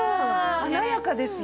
華やかですよ。